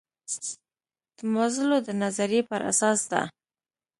د مازلو د نظریې پر اساس ده.